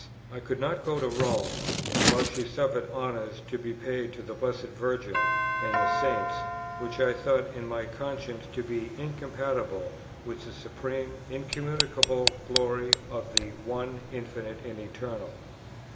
I could not go to Rome, while she suffered honours to be paid to the Blessed Virgin and the Saints which I thought in my conscience to be incompatible with the Supreme, Incommunicable Glory of the One Infinite and Eternal; 7.